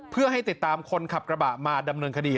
เพื่อให้ติดตามคนขับกระบะมาดำเนินคดี